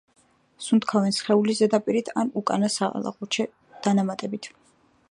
სუნთქავენ სხეულის ზედაპირით ან უკანა სალაყუჩე დანამატებით.